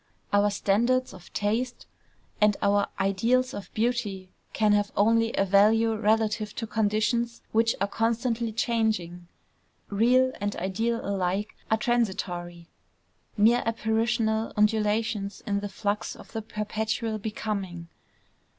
Our standards of taste and our ideals of beauty can have only a value relative to conditions which are constantly changing. Real and ideal alike are transitory, mere apparitional undulations in the flux of the perpetual Becoming.